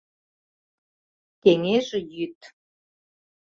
КЕҤЕЖ ЙӰД